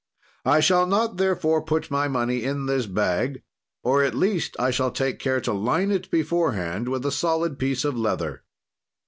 "'I shall not, therefore, put my money in this bag or, at least, I shall take care to line it beforehand with a solid piece of leather.